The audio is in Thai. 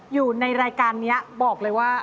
อยู่ในรายการนี้บอกเลยว่า